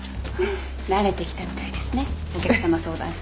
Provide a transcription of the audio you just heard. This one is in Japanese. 慣れてきたみたいですねお客様相談室。